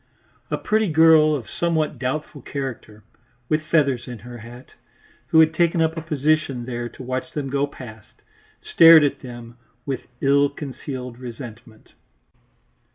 A pretty girl of somewhat doubtful character, with feathers in her hat, who had taken up a position there to watch them go past, stared at them with ill concealed resentment.